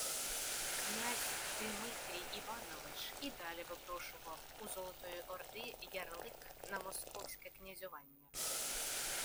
Князь Димитрій Іванович і далі випрошував у Золотої Орди «ярлик» на московське князювання